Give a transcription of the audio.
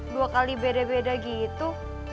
dua kali beda beda gitu